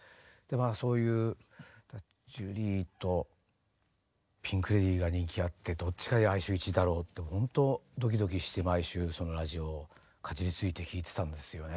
そういうジュリーとピンク・レディーが人気あってどっちが来週１位だろうってほんとドキドキして毎週そのラジオをかじりついて聴いてたんですよね。